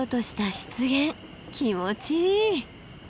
気持ちいい。